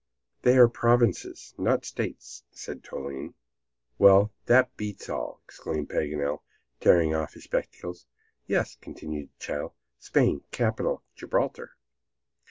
"They are provinces, not states," said Toline. "Well, that beats all!" exclaimed Paganel, tearing off his spectacles. "Yes," continued the child. "Spain capital, Gibraltar."